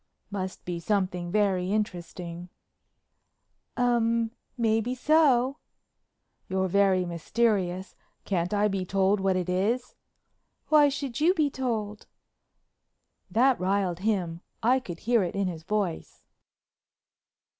"Must be something very interesting." "Um—maybe so." "You're very mysterious—can't I be told what it is?" "Why should you be told?" That riled him, I could hear it in his voice.